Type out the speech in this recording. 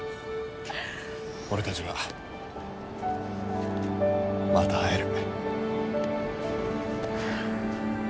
俺たちはまた会える。